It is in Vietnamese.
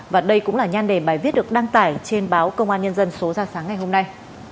và đây cũng là nhan đề bài viết được đăng tải trên báo công an nhân dân số ra sáng ngày hôm nay